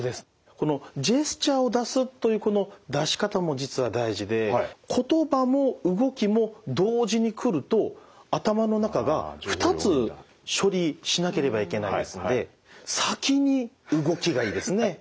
このジェスチャーを出すというこの出し方も実は大事で言葉も動きも同時に来ると頭の中が２つ処理しなければいけないですので先に動きがいいですね。